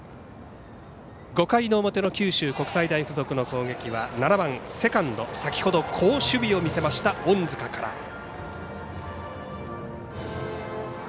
５回の表の九州国際大付属の攻撃は７番セカンド、先ほど好守備を見せました隠塚から。